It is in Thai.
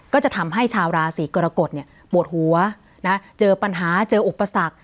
ก็จะทำให้ชาวราศีกรกฎปวดหัวเจอปัญหาเจออุปสรรค